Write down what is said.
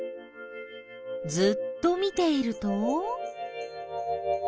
ずっと見ていると？